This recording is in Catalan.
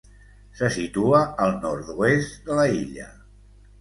Se situa al nord-oest de la illa.